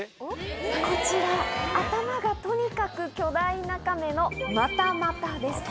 こちら、頭がとにかく巨大なカメのマタマタです。